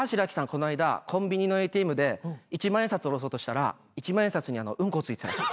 この間コンビニのＡＴＭで一万円札下ろそうとしたら一万円札にうんこ付いてたらしい。